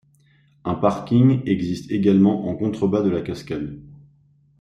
Un parking existe également en contrebas de la cascade.